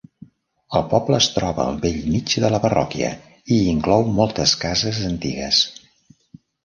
El poble es troba al bell mig de la parròquia i inclou moltes cases antigues.